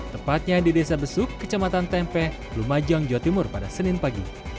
tepatnya di desa besuk kecamatan tempe lumajang jawa timur pada senin pagi